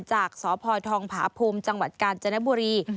จากสภภาพุมจังหวัดกาลเจนบุรี